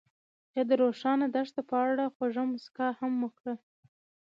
هغې د روښانه دښته په اړه خوږه موسکا هم وکړه.